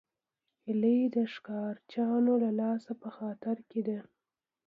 هیلۍ د ښکارچیانو له لاسه په خطر کې ده